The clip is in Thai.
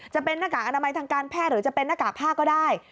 หน้ากากอนามัยทางการแพทย์หรือจะเป็นหน้ากากผ้าก็ได้